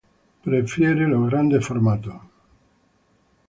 Prefiere los grandes formatos.